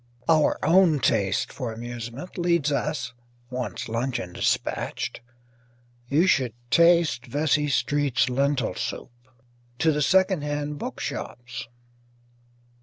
Our own taste for amusement leads us (once luncheon dispatched; you should taste Vesey Street's lentil soup) to the second hand bookshops.